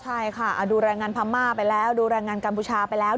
ใช่ค่ะดูแรงงานพม่าไปแล้วดูแรงงานกัมพูชาไปแล้ว